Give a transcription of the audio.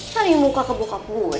cari muka ke bokap gue